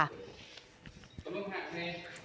ตาม